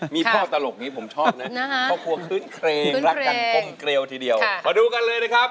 มีพ่อตลกนี้ผมชอบนะพ่อครัวคืนเครงรักกันก้มเกลียวทีเดียวมาดูกันเลยนะครับ